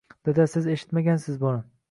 Dada siz eshitmagansiz buni.